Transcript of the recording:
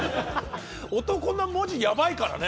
男闘呼の文字やばいからね。